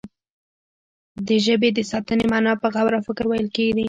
د ژبې د ساتنې معنا په غور او فکر ويل دي.